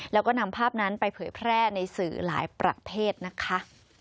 แล้วก็นำภาพนั้นไปเผยแพร่ในสื่อหลายประเภทนะคะ